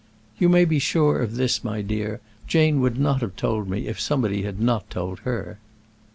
"You may be sure of this, my dear: Jane would not have told me if somebody had not told her."